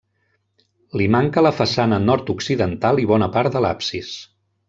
Li manca la façana nord-occidental i bona part de l'absis.